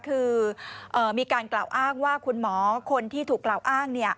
คือมีการกล่าวอ้างว่าคุณหมอคนที่ถูกกล่าวอ้าง